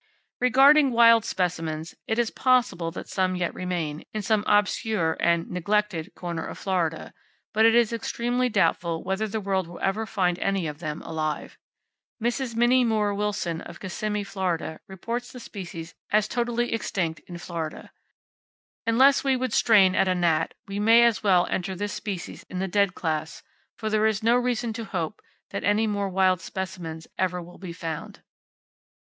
Regarding wild specimens, it is possible that some yet remain, in some obscure and neglected corner of Florida; but it is extremely doubtful whether the world ever will find any of them alive. Mrs. Minnie Moore Willson, of Kissimee, Fla. reports the species as totally extinct in Florida. Unless we would strain at a gnat, we may just as well enter this species in the dead class; for there is no reason to hope that any more wild specimens ever will be found.